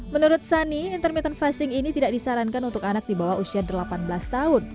menurut sani intermittent fasting ini tidak disarankan untuk anak dibawah usia delapan belas tahun